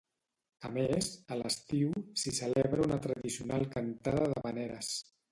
A més, a l'estiu, s'hi celebra una tradicional cantada d'havaneres.